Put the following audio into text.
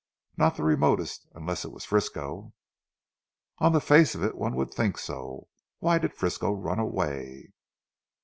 Not the remotest. Unless it was Frisco." "On the face of it, one would think so. Why did Frisco run away?"